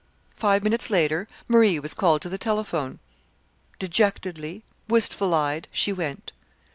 Five minutes later Marie was called to the telephone. Dejectedly, wistful eyed, she went.